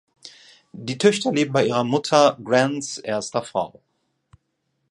Die Töchter leben bei ihrer Mutter, Grants erster Frau.